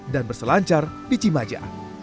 dan berselancar di cimaja